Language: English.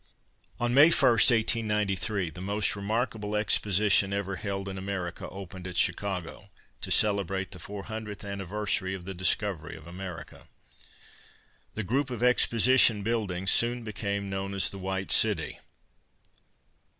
On May 1, 1893, the most remarkable exposition ever held in America opened at Chicago, to celebrate the four hundredth anniversary of the discovery of America. The group of exposition buildings soon became known as "The White City."